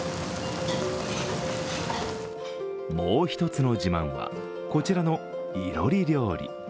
もう一つの自慢は、こちらのいろり料理。